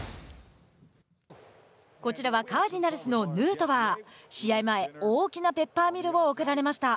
こちらはカーディナルスのヌートバー試合前大きなペッパーミルを贈られました。